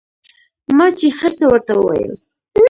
ما چې هرڅه ورته وويل.